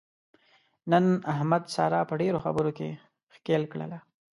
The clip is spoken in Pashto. نن احمد ساره په ډېرو خبرو کې ښکېل کړله.